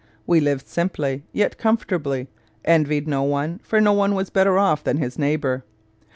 We lived simply, yet comfortably envied no one, for no one was better off than his neighbour.